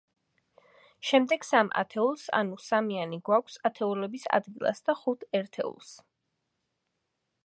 შემდეგ სამ ათეულს, ანუ სამიანი გვაქვს ათეულების ადგილას და ხუთ ერთეულს.